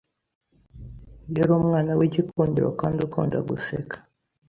Yari umwana w’igikundiro kandi ukunda guseka.